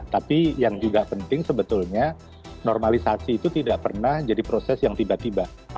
tapi yang juga penting sebetulnya normalisasi itu tidak pernah jadi proses yang tiba tiba